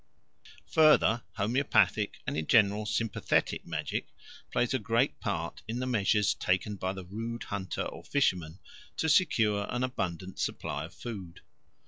Further, homoeopathic and in general sympathetic magic plays a great part in the measures taken by the rude hunter or fisherman to secure an abundant supply of food.